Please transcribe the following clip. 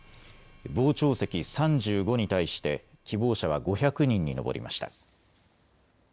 傍聴席３５に対して希望者は５００人に上りました。